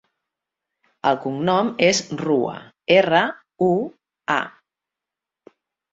El cognom és Rua: erra, u, a.